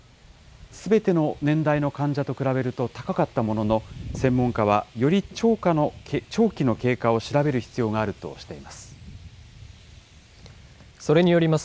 すべての年代の患者と比べると高かったものの、専門家は、より長期の経過を調べる必要があるとしています。